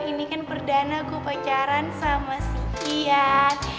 ini kan perdana gue pacaran sama siti yan